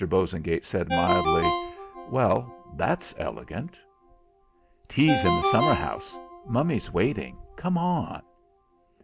Bosengate said mildly: "Well, that's elegant!" "Tea's in the summer house. Mummy's waiting. Come on!"